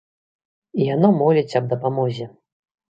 І яно моліць аб дапамозе.